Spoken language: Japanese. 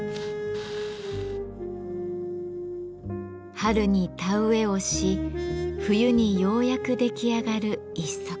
春に田植えをし冬にようやく出来上がる一足。